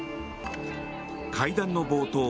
会談の冒頭